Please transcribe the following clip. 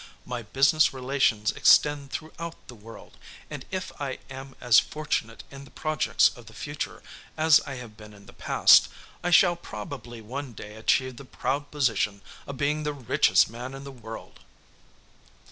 My business relations extend throughout the world, and if I am as fortunate in the projects of the future as I have been in the past, I shall probably one day achieve the proud position of being the richest man in the world."